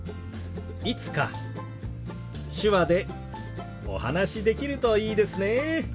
いつか手話でお話しできるといいですね。